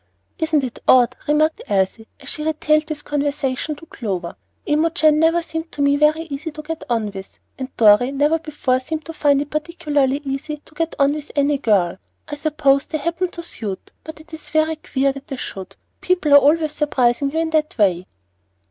"Isn't it odd?" remarked Elsie, as she retailed this conversation to Clover. "Imogen never seemed to me so very easy to get on with, and Dorry never before seemed to find it particularly easy to get on with any girl. I suppose they happen to suit, but it is very queer that they should. People are always surprising you in that way."